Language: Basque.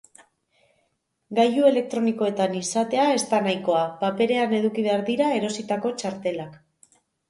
Gailu elektronikoetan izatea ez da nahikoa, paperean eduki behar dira erositako txartelak.